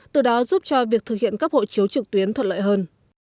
từ đó giúp cho việc thực hiện cấp hộ chiếu trực tuyến thuận lợi hơn